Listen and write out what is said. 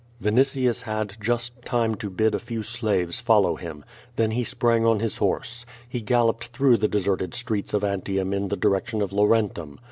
Vinitiiis had just time to bid a few slaves follow him. Then, he sprang on his horse. He galloped through the deserted streets of Antrium in the direction of Laurentum.